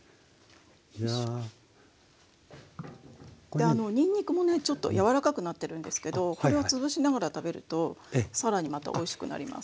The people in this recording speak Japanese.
でにんにくもねちょっとやわらかくなってるんですけどこれを潰しながら食べると更にまたおいしくなります。